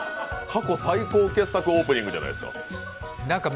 過去最高傑作オープニングじゃないですか。